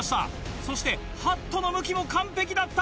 そしてハットの向きも完璧だった。